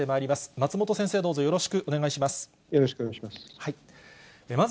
松本先生、どうぞよろしくお願いします。